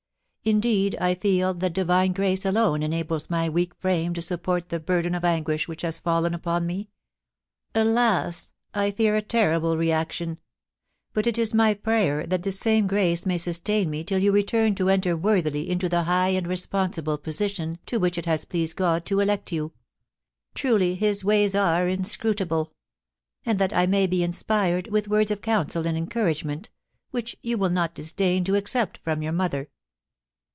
Indeed I feel that Divine grace alone enables my weak frame to support the burden of anguish which has fallen upon me. Alas ! I fear a terrible reaction ; but it is my prayer that the same grace may sustain me till you return to enter worthily into the high and responsible posi tion to which it has pleased God to elect you — truly His ways are inscrutable — and that I may be inspired with words of counsel and encouragement, which you will not disdain to accept from your mother.